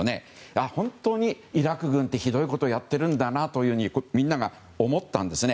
本当にイラク軍ってひどいことをやっているんだなとみんなが思ったんですね。